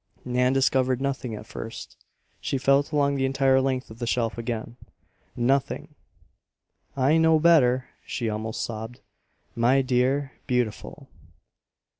Nan discovered nothing at first. She felt along the entire length of the shelf again. Nothing! "I know better!" she almost sobbed. "My dear, beautiful."